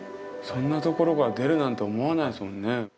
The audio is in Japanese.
そんなところから出るなんて思わないですもんね。